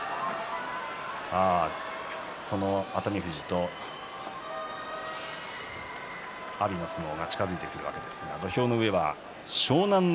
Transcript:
その熱海富士と阿炎の相撲が近づいてきているわけですが土俵の上は湘南乃